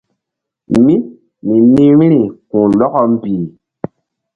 Mí mi nih vbi̧ri ku̧h lɔkɔ mbih.